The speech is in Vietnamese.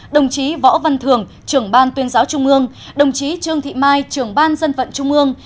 đồng chí võ văn thường trưởng ban tuyên giáo trung ương đồng chí trương thị mai trưởng ban dân vận trung ương